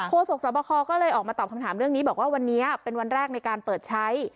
โศกสวบคก็เลยออกมาตอบคำถามเรื่องนี้บอกว่าวันนี้เป็นวันแรกในการเปิดใช้